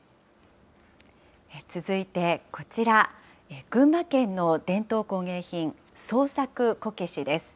続いてこちら、群馬県の伝統工芸品、創作こけしです。